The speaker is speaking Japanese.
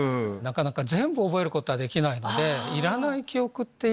全部覚えることはできないので。